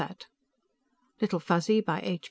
net/) LITTLE FUZZY by H.